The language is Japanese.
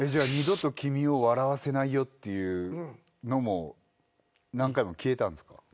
「二度と君を笑わせないよ」っていうのも何回も消えたんですか？